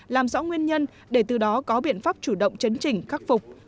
làm rõ nguyên nhân để từ đó có biện pháp chủ động chấn trình khắc phục